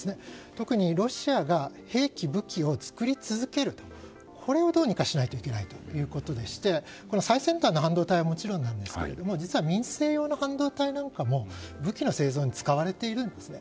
特にロシアが兵器、武器を作り続けるとこれをどうにかしないといけないということで最先端の半導体はもちろんなんですが実は民生用の半導体なんかも武器の製造に使われているんですね。